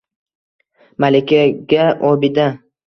Malikaga obida.